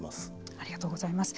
ありがとうございます。